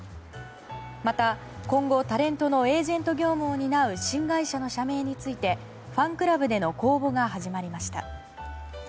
また、今後タレントのエージェント業務を担う新会社の社名についてファンクラブでの公募が始まりました。